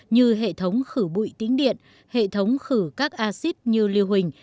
như hệ thống khử bụi tính điện hệ thống khử các acid như lưu hình